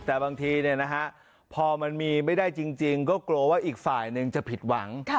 แต่บางทีพอมันมีไม่ได้จริงก็กลัวว่าอีกฝ่ายหนึ่งจะผิดหวัง